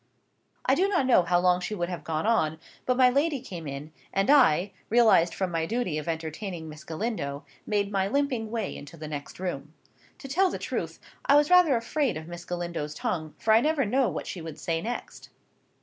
I do not know how long she would have gone on; but my lady came in, and I, released from my duty of entertaining Miss Galindo, made my limping way into the next room. To tell the truth, I was rather afraid of Miss Galindo's tongue, for I never knew what she would say next.